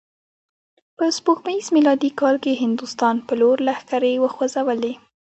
په سپوږمیز میلادي کال یې هندوستان په لور لښکرې وخوزولې.